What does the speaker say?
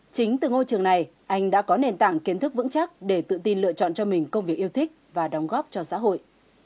chính từ ngôi trường này anh đã có nền tảng kiến thức vững chắc để tự tin lựa chọn cho mình công việc yêu thích và đóng góp cho xã hội